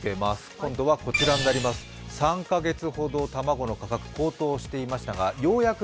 今度は３か月ほど卵の価格、高騰していましたがようやく